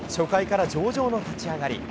初回から上々の立ち上がり。